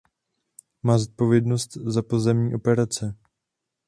Má zodpovědnost za pozemní operace.